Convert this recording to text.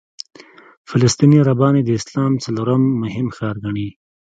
فلسطیني عربان یې د اسلام څلورم مهم ښار ګڼي.